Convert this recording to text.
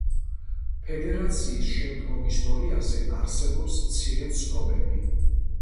ფედერაციის შემდგომ ისტორიაზე არსებობს მცირე ცნობები.